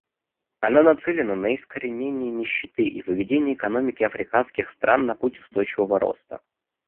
Она нацелена на искоренение нищеты и выведение экономики африканских стран на путь устойчивого роста.